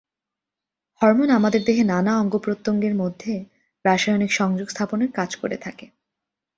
Hormone আমাদের দেহে নানা অঙ্গ প্রত্যঙ্গ মধ্যে রাসায়নিক সংযোগ স্থাপনের কাজ করে।